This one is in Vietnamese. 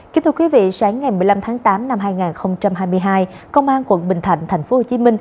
kính thưa quý vị sáng ngày một mươi năm tháng tám năm hai nghìn hai mươi hai công an quận bình thạnh tp hcm